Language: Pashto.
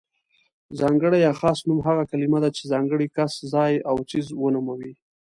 ځانګړی يا خاص نوم هغه کلمه ده چې ځانګړی کس، ځای او څیز ونوموي.